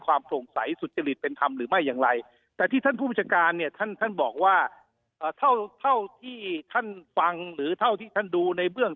ว่าอ่าเท่าเท่าที่ท่านฟังหรือเท่าที่ท่านดูในเบื้อง